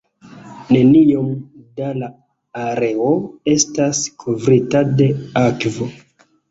Neniom da la areo estas kovrita de akvo.